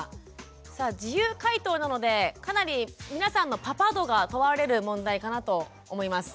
さあ自由解答なのでかなり皆さんのパパ度が問われる問題かなと思います。